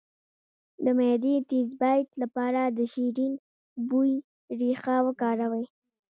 د معدې د تیزابیت لپاره د شیرین بویې ریښه وکاروئ